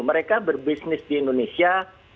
mereka berbisnis di indonesia